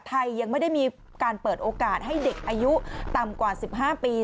ไทยยังไม่ได้มีการเปิดโอกาสให้เด็กอายุต่ำกว่า๑๕ปี